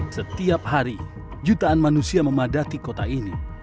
setiap hari jutaan manusia memadati kota ini